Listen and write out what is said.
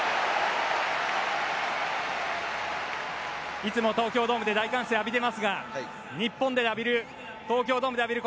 いつも東京ドームで大歓声を浴びていますが日本で浴びる東京ドームで浴びる